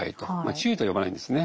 治癒とは呼ばないんですね。